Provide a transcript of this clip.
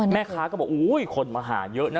แม่คะก็บอกคนมาหาเยอะนะ